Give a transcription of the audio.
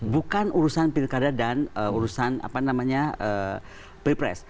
bukan urusan pilkada dan urusan pilpres